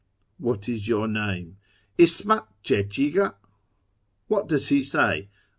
What is your name ?— Ismat clie chigd ? What does he say ?